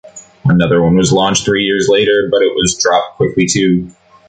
Another one was launched three years later, but it was dropped quickly too.